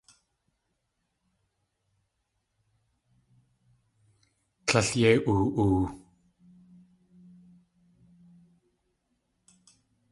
Tlél yéi oo.oo.